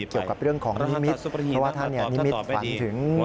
เกี่ยวกับเรื่องของนิมิตรเพราะว่าท่านนิมิตฝันถึง